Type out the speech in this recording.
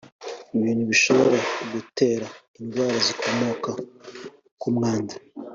ibintu bishobora gutera indwara zikomoka ku mwanda